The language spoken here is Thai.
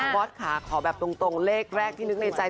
ออสค่ะขอแบบตรงเลขแรกที่นึกในใจ